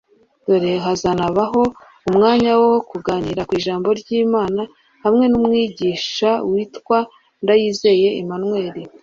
dore ko hazanabaho umwanya wo kuganira ku ijambo ry'Imana hamwe n'umwigisha witwa Ndayizeye Emmanuel